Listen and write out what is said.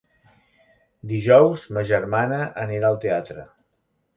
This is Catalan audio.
Dijous ma germana anirà al teatre.